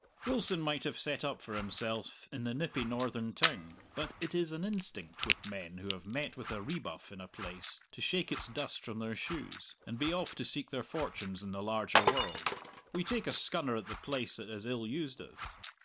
Wilson might have set up for himself in the nippy northern town. But it is an instinct with men who have met with a rebuff in a place to shake its dust from their shoes, and be off to seek their fortunes in the larger world. We take a scunner at the place that has ill used us.